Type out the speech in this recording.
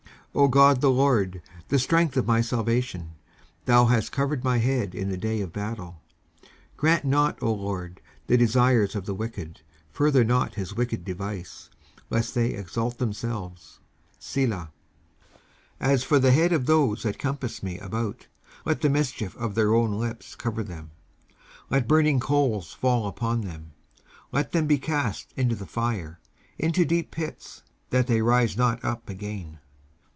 19:140:007 O GOD the Lord, the strength of my salvation, thou hast covered my head in the day of battle. 19:140:008 Grant not, O LORD, the desires of the wicked: further not his wicked device; lest they exalt themselves. Selah. 19:140:009 As for the head of those that compass me about, let the mischief of their own lips cover them. 19:140:010 Let burning coals fall upon them: let them be cast into the fire; into deep pits, that they rise not up again.